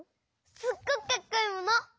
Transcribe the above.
すっごくかっこいいもの！